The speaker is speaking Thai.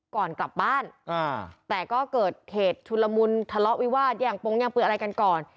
ก่อนกลับบ้านแต่ก็เกิดเหตุชุลมุนทะเลาะวิวาสอย่างปงแย่งปืนอะไรกันก่อน